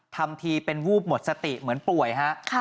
ทำทีเป็นวูบหมดสติเหมือนป่วยฮะ